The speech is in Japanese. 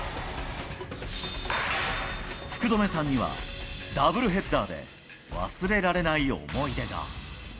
福留さんには、ダブルヘッダーで忘れられない思い出が。